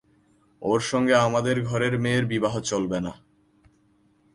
ওর সঙ্গে আমাদের ঘরের মেয়ের বিবাহ চলবে না।